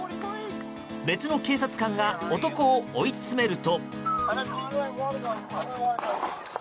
別の警察官が男を追い詰めると。